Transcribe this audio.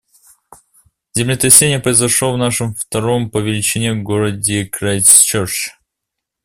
Землетрясение произошло в нашем втором по величине городе Крайстчёрч.